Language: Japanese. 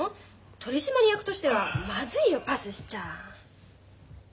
取締役としてはまずいよパスしちゃ。